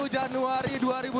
satu januari dua ribu delapan belas